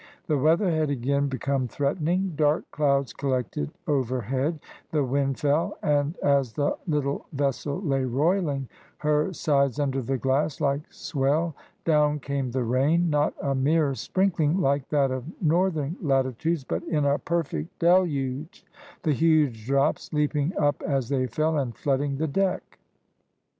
The weather had again become threatening dark clouds collected overhead the wind fell, and as the little vessel lay roiling her sides under the glass, like swell, down came the rain, not a mere sprinkling, like that of northern latitudes, but in a perfect deluge, the huge drops leaping up as they fell, and flooding the deck.